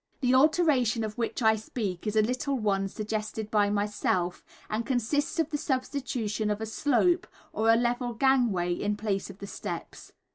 The alteration of which I speak, is a little one suggested by myself, and consists of the substitution of a slope, or a level gangway, in place of the steps.